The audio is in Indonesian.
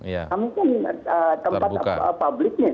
kami kan tempat publiknya